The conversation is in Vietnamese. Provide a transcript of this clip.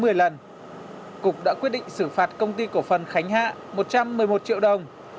từ hai đến một mươi lần cục đã quyết định xử phạt công ty cổ phần khánh hạ một trăm một mươi một triệu đồng